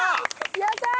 やったー！